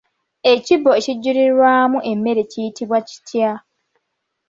Ekibbo ekijjulirwamu emmere kiyitibwa kitya?